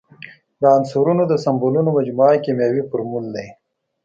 د عنصرونو د سمبولونو مجموعه کیمیاوي فورمول دی.